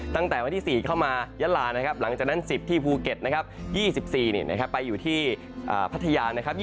ตั้งแต่วันที่๔เข้ามายั้นลาหลังจากนั้น๑๐ที่ภูเก็ต๒๔ไปอยู่ที่พัทยา